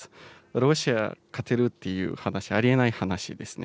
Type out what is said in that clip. ロシア勝てるっていう話、ありえない話ですね。